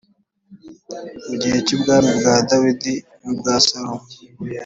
mu gihe cy’ubwami bwa dawidi n’ubwa salomo,